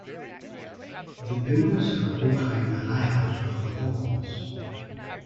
The builders are altering the layout of the walls.